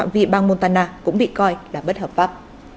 vì bang montana cũng bị coi là bất hợp pháp